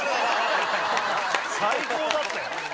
最高だったよ。